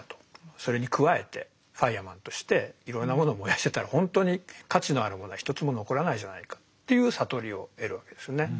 それに加えてファイアマンとしていろいろなものを燃やしてたら本当に価値のあるものは一つも残らないじゃないかっていう悟りを得るわけですよね。